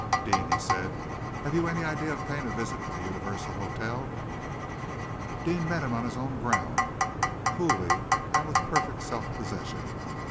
"Deane," he said, "have you any idea of paying a visit to the Universal Hotel?" Deane met him on his own ground, coolly, and with perfect self possession.